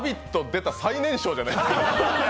出た最年少じゃないですか？